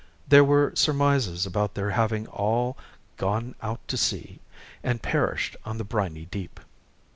There were surmises about their having all "gone out to sea," and perished on the briny deep.